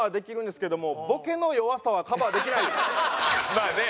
まあね。